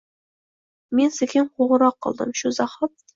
Men sekin qo’ng’iroq qildim, shu zahot